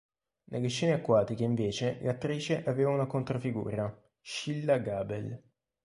Nelle scene acquatiche invece l'attrice aveva una controfigura, Scilla Gabel.